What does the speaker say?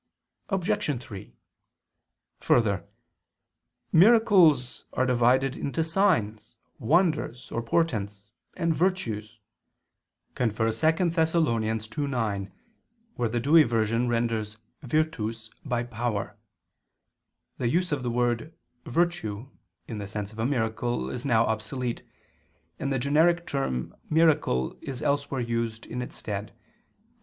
Obj. 3: Further, miracles are divided into "signs," "wonders" or "portents," and "virtues." [*Cf. 2 Thess. 2:9, where the Douay version renders virtus by "power." The use of the word "virtue" in the sense of a miracle is now obsolete, and the generic term "miracle" is elsewhere used in its stead: Cf.